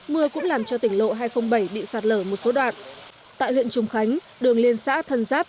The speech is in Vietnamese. mưa cũng làm cho tỉnh lộ hai trăm linh bảy bị sạt lở một số đoạn tại huyện trùng khánh đường liên xã thân giáp